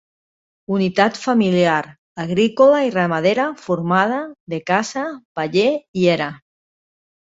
Unitat familiar agrícola i ramadera formada de casa, paller i era.